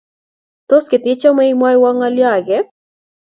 Tos ketechome imwoiwo ngolyo ake?